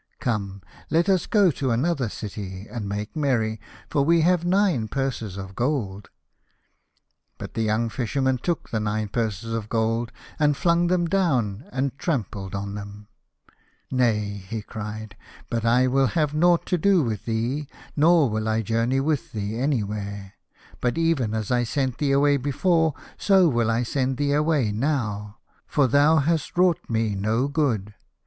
Come, let us go to another city, and make merry, for we have nine purses of gold." But the young Fisherman took the nine purses of gold, and flung them down, and trampled on them. " Nay," he cried, " but I will have nought to do with thee, nor will I journey with thee anywhere, but even as I sent thee away before, so will I send thee away now, for 1 1 5 A House of Pomegranates. thou hast wrought me no good."